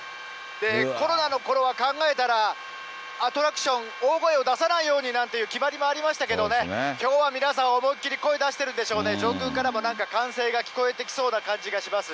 コロナのころは考えたら、アトラクション、大声を出さないようになんて決まりもありましたけどね、きょうは皆さん、思いっ切り声を出しているんでね、上空からもなんか歓声が聞こえてきそうな感じがします。